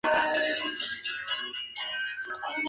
Louis asociada con la Universidad de Washington.